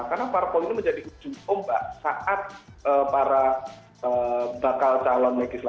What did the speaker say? karena parkol ini menjadi ujung ombak saat para bakal calon